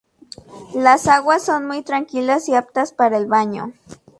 Las aguas son muy tranquilas y aptas para el baño.